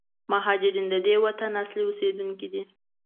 مهارجرین د دې وطن اصلي اوسېدونکي دي.